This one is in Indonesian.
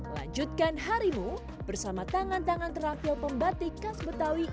lanjutkan harimu bersama tangan tangan terakhir pembatik khas betawi